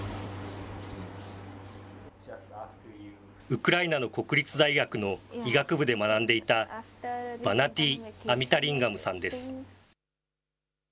ウクライナの国立大学の医学部で学んでいた、バナティ・アミタリンガムさんです。